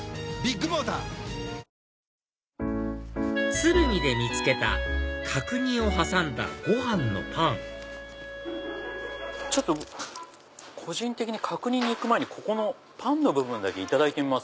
鶴見で見つけた角煮を挟んだご飯のパンちょっと個人的に角煮に行く前にパンの部分だけいただいてみます。